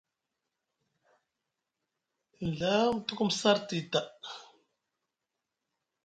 Nɵa mu tukumu sarti taa.